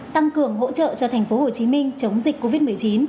tăng cường hỗ trợ cho thành phố hồ chí minh chống dịch covid một mươi chín